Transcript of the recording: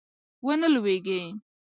ونه لویږي